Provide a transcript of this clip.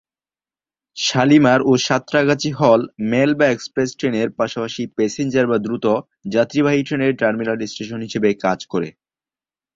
শালিমার ও সাঁতরাগাছি হল মেল/এক্সপ্রেস ট্রেনের পাশাপাশি প্যাসেঞ্জার/দ্রুত যাত্রীবাহী ট্রেনের টার্মিনাল স্টেশন হিসাবে কাজ করে।